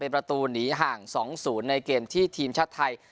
ประตูหนีห่าง๒๐ในเกมที่ทีมชาติไทย